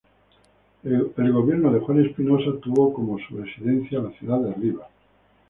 El Gobierno de Juan Espinosa tuvo como su residencia la ciudad de Rivas.